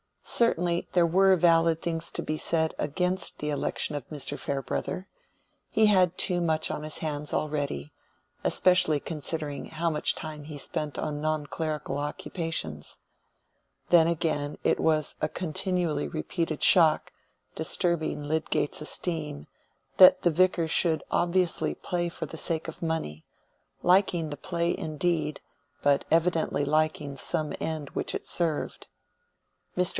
Certainly there were valid things to be said against the election of Mr. Farebrother: he had too much on his hands already, especially considering how much time he spent on non clerical occupations. Then again it was a continually repeated shock, disturbing Lydgate's esteem, that the Vicar should obviously play for the sake of money, liking the play indeed, but evidently liking some end which it served. Mr.